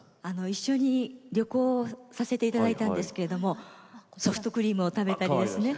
一緒に旅行をさせていただいたんですけれどもソフトクリームを食べたりですね。